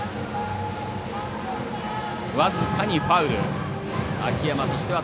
僅かにファウル。